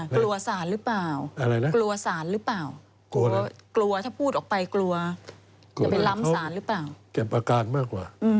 เขียบอาการมากกว่า